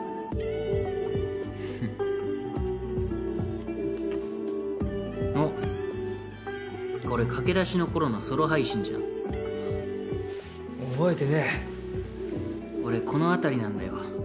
フッあっこれ駆け出しの頃のソロ配信じゃん覚えてねぇ俺この辺りなんだよ